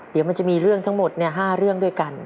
เดี๋ยวมันจะมีเรื่องทั้งหมด๕เรื่องด้วยกัน